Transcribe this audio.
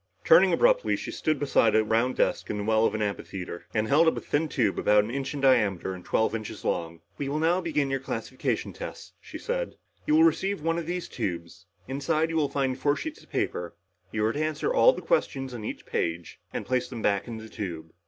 Turning abruptly, she stood beside a round desk in the well of an amphitheater, and held up a thin tube about an inch in diameter and twelve inches long. "We will now begin your classification tests," she said. "You will receive one of these tubes. Inside, you will find four sheets of paper. You are to answer all the questions on each paper and place them back in the tube.